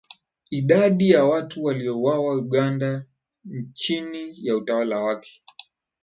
Idadi ya watu waliouawa Uganda chini ya utawala wake